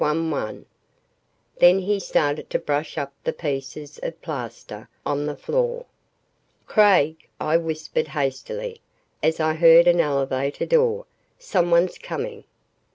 Then he started to brush up the pieces of plaster on the floor. "Craig," I whispered hastily as I heard an elevator door, "someone's coming!"